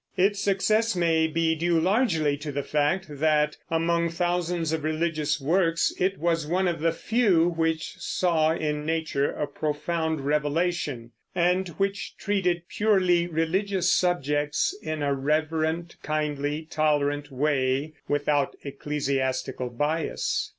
Its success may be due largely to the fact that, among thousands of religious works, it was one of the few which saw in nature a profound revelation, and which treated purely religious subjects in a reverent, kindly, tolerant way, without ecclesiastical bias.